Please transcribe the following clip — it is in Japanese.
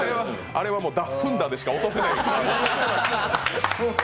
あれはもう、だっふんだでしか落とせない。